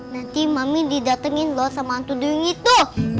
nanti mami didatengin loh sama hantu duyung itu